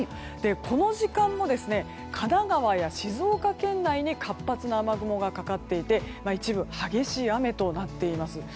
この時間も神奈川や静岡県内に活発な雨雲がかかっていて一部、激しい雨となっています。